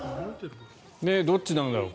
どっちなんだろう。